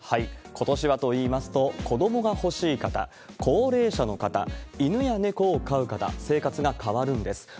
ことしはといいますと、子どもが欲しい方、高齢者の方、犬や猫を飼う方、生活が変わるんです。